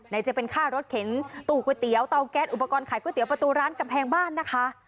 จะเป็นค่ารถเข็นตู้ก๋วยเตี๋ยวเตาแก๊สอุปกรณ์ขายก๋วเตี๋ประตูร้านกำแพงบ้านนะคะ